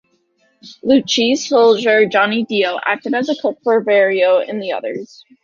Lucchese soldier Johnny Dio acted as a cook for Vario and the others.